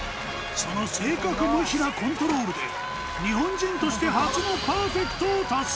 その正確無比なコントロールで日本人として初のパーフェクトを達成